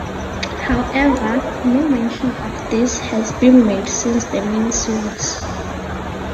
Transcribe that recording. However, no mention of this has been made since the miniseries.